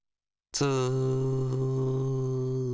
ツー。